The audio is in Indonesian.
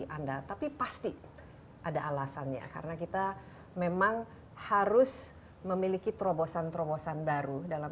anda tapi pasti ada alasannya karena kita memang harus memiliki terobosan terobosan baru dalam